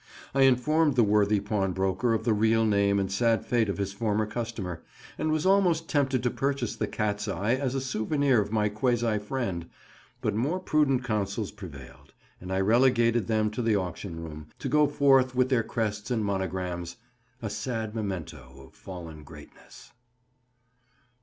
I informed the worthy pawnbroker of the real name and sad fate of his former customer, and was almost tempted to purchase the cat's eye as a souvenir of my quasi friend; but more prudent counsels prevailed, and I relegated them to the auction room, to go forth with their crests and monograms, a sad memento of fallen greatness.